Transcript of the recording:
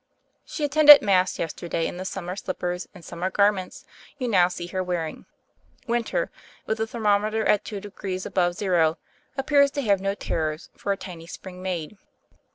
She attended Mass yesterday in the sum mer slippers and summer garments you now see her wearing. Winter — ^with the thermometer at two degrees above zero — appears to hare no terrors for our tiny spring maid.